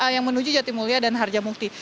yang menuju jatimulya dan harjamukti